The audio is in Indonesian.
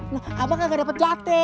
nah apakah nggak dapat jathe